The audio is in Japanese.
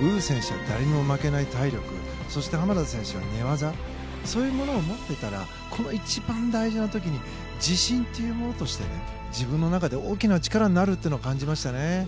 ウルフ選手は誰にも負けない体力そして濱田選手は寝技そういうものを持っていたら一番大事な時に自信というものとして自分の中で大きな力になると感じましたね。